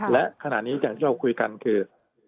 และขณะนี้อย่างที่เราคุยกันคือ